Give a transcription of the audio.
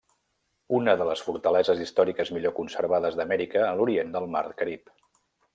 Una de les fortaleses històriques millor conservades d'Amèrica a l'orient del mar Carib.